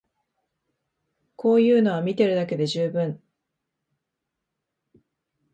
こういうのは見てるだけで充分